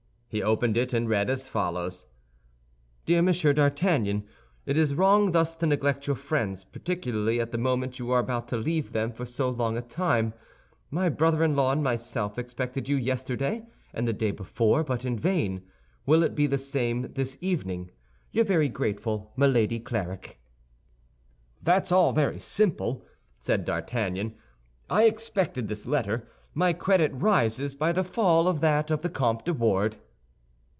He opened it and read as follows: DEAR M. D'ARTAGNAN, It is wrong thus to neglect your friends, particularly at the moment you are about to leave them for so long a time. My brother in law and myself expected you yesterday and the day before, but in vain. Will it be the same this evening? Your very grateful, MILADY CLARIK "That's all very simple," said D'Artagnan; "I expected this letter. My credit rises by the fall of that of the Comte de Wardes."